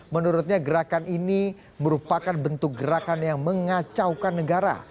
menurutnya gerakan ini merupakan bentuk gerakan yang mengacaukan negara